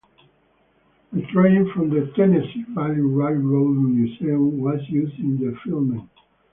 A train from the Tennessee Valley Railroad Museum was used in the filming.